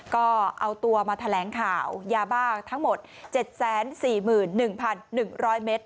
ก็เอาตัวมาแถลงข่าวยาบ้าทั้งหมด๗๔๑๑๐๐เมตร